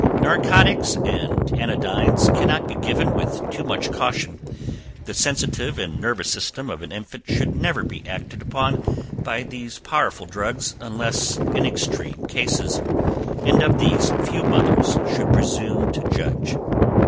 "Narcotics and anodynes cannot be given with too much caution, the sensitive and nervous system of an infant should never be acted upon by these powerful drugs unless in extreme cases, and of these, few mothers should presume to judge.